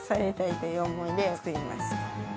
という思いで作りました